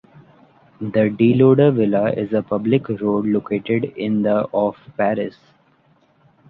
The Deloder villa is a public road located in the of Paris.